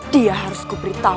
dia harus kuberitahu